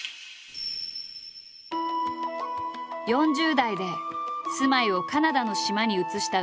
４０代で住まいをカナダの島に移したＵＡ。